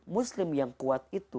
muslim yang kuat itu